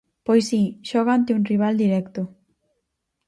Pois si, xoga ante un rival directo.